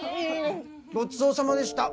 ごちそうさまでした